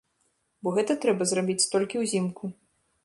Бо гэта трэба зрабіць толькі ўзімку.